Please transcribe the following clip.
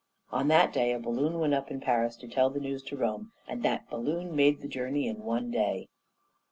On that day a balloon went up in Paris to tell the news to Rome, and that balloon made the journey in one day.